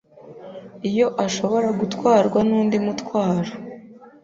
Iyo ashobora gutwarwa nundi mutwaro